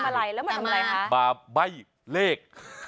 อะไรแล้วมาทำอะไรคะมาใบ้เลข